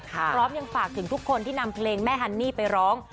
พร้อมยังฝากถึงทุกคนที่นำเพลงแม่ฮันนี่ไปร้อง